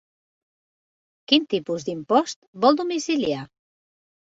Quin tipus d'impost vol domiciliar?